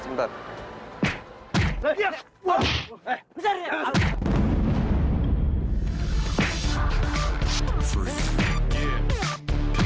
tidak dia sudah kembali